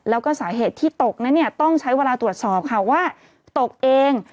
แล้วก็สาเหตุที่ตกนั้นเนี่ยต้องใช้เวลาตรวจสอบค่ะว่าตกเอง